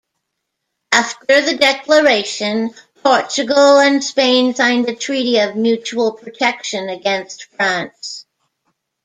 After the declaration, Portugal and Spain signed a treaty of mutual protection against France.